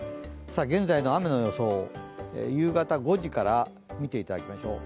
現在の雨の予想、夕方５時から見ていただきましょう。